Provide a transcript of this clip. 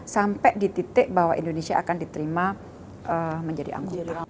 sampai di titik bahwa indonesia akan diterima menjadi anggota